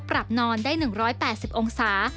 นอนได้๑๘๐องศา